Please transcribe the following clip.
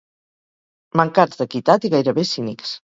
Mancats d'equitat i gairebé cínics.